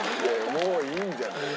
もういいんじゃない？